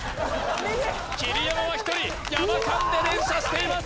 桐山は１人山勘で連射しています